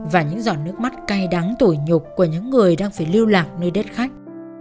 và những giọt nước mắt cay đắng tuổi nhục của những người đang phải lưu lạc nơi đất khách